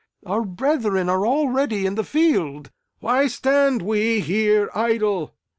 Our brethren are already in the field! Why stand we here idle?